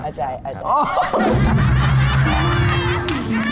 อาจารย์อาจารย์